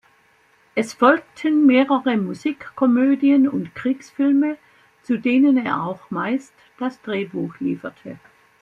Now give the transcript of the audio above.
Es folgten mehrere Musikkomödien und Kriegsfilme, zu denen er auch meist das Drehbuch lieferte.